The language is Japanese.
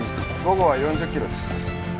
午後は４０キロです